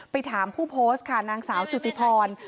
ถามผู้โพสต์ค่ะนางสาวจุติพร